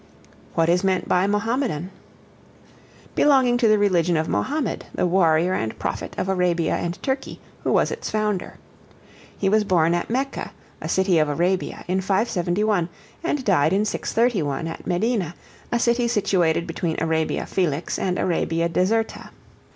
What is meant by Mahomedan? Belonging to the religion of Mahomed, the warrior and prophet of Arabia and Turkey, who was its founder. He was born at Mecca, a city of Arabia, in 571; and died in 631, at Medina, a city situated between Arabia Felix and Arabia Deserta.